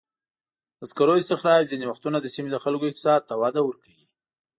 د سکرو استخراج ځینې وختونه د سیمې د خلکو اقتصاد ته وده ورکوي.